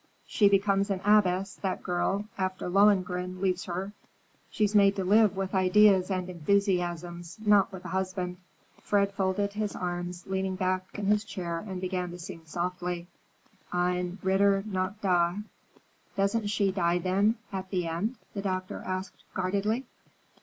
She becomes an abbess, that girl, after Lohengrin leaves her. She's made to live with ideas and enthusiasms, not with a husband." Fred folded his arms, leaned back in his chair, and began to sing softly:— "In lichter Waffen Scheine, Ein Ritter nahte da." "Doesn't she die, then, at the end?" the doctor asked guardedly.